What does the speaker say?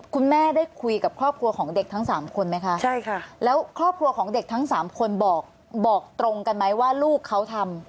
คุณแม่ได้คุยกับครอบครัวของเด็กทั้งสามคนไหมคะใช่ค่ะแล้วครอบครัวของเด็กทั้งสามคนบอกบอกตรงกันไหมว่าลูกเขาทำ